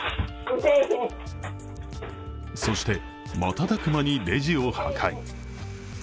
そして、瞬く間にレジを破壊。